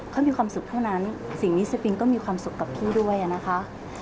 เขามีความสุขเท่านั้นสิ่งนี้สปิงก็มีความสุขกับพี่ด้วยนะคะ